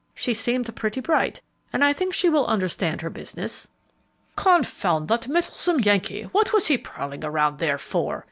She seemed pretty bright, and I think she will understand her business." "Confound that meddlesome Yankee! what was he prowling around there for?"